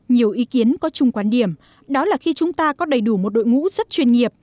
nhiều ý kiến có chung quan điểm đó là khi chúng ta có đầy đủ một đội ngũ rất chuyên nghiệp